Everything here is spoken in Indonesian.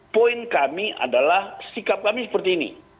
jadi poin kami adalah sikap kami seperti ini